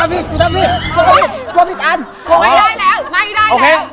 ไม่ได้แล้วไม่ได้แล้ว